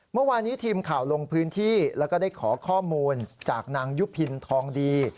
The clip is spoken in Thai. เมื่อวานนี้ทีมข่าวลงพื้นที่แล้วก็ได้ขอข้อมูลจากนางยุพินทองดี